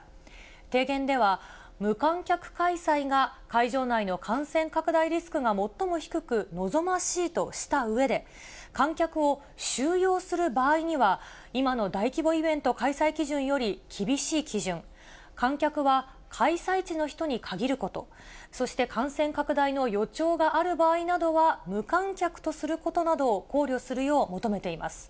提言では、無観客開催が会場内の感染拡大リスクが最も低く、望ましいとしたうえで、観客を収容する場合には、今の大規模イベント開催基準より厳しい基準、観客は開催地の人に限ること、そして感染拡大の予兆がある場合などは、無観客とすることなどを考慮するよう求めています。